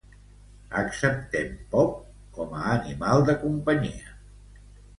Acceptem pop com a animal de companyia